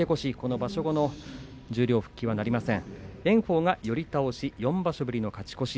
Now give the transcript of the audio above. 場所後の十両復帰はなりません。